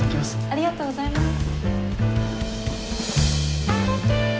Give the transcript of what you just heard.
ありがとうございます。